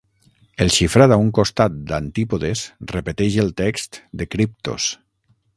El xifrat a un costat "d'Antípodes" repeteix el text de "Kryptos".